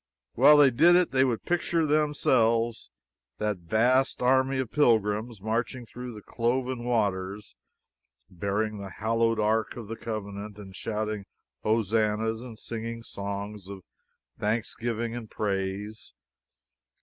While they did it they would picture to themselves that vast army of pilgrims marching through the cloven waters, bearing the hallowed ark of the covenant and shouting hosannahs, and singing songs of thanksgiving and praise.